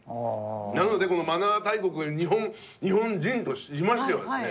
なのでこのマナー大国日本日本人としましてはですね